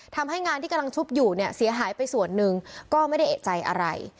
ทำให้งานที่กำลังชุบอยู่เนี่ยเสียหายไปส่วนหนึ่งก็ไม่ได้เอกใจอะไร